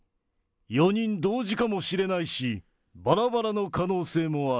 ４人同時かもしれないし、ばらばらの可能性もある。